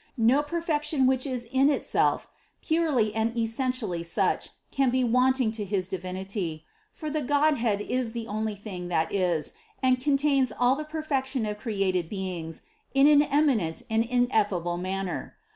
No perfection which is in itself purely and essentially such, can be wanting to his Divinity: for the Godhead is the only thing that is, and contains all the perfection of created beings in an eminent and ineffable manner.